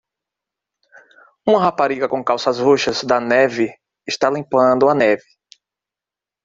Uma rapariga com calças roxas da neve está limpando a neve.